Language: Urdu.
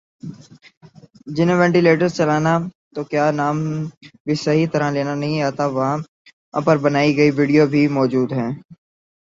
جنہیں وینٹیلیٹر چلانا تو کیا نام بھی صحیح طرح لینا نہیں آتا وہاں پر بنائی گئی ویڈیو بھی موجود ہیں